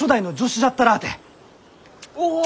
おお！